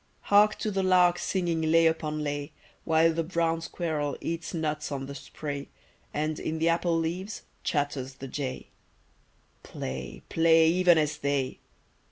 Hark to the lark singing lay upon lay, While the brown squirrel eats nuts on the spray And in the apple leaves chatters the jay! Play, play, even as they!